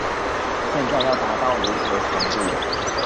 現在要達到如何程度